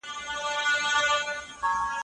هغه تل خپل مسواک له ځان سره ساتي.